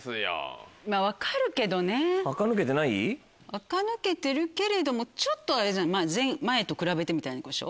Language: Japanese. あか抜けてるけれどもちょっとあれじゃん前と比べてみたいなことでしょ？